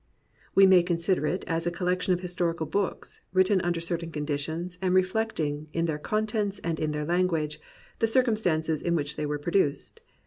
We may consider it as a collection of historical books, written under certain conditions, and reflect ing, in their contents and in their language, the cir cumstances in which they were produced.